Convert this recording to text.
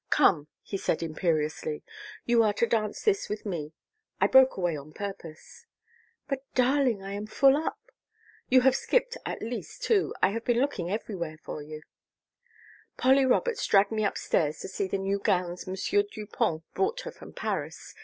"Come!" he said imperiously. "You are to dance this with me. I broke away on purpose " "But, darling, I am full up " "You have skipped at least two. I have been looking everywhere for you " "Polly Roberts dragged me upstairs to see the new gowns M. Dupont brought her from Paris.